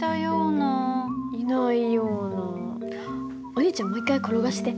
お兄ちゃんもう一回転がして。